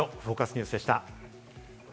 ニュースでした。